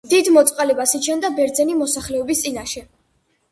დიდ მოწყალებას იჩენდა ბერძენი მოსახლეობის წინაშე.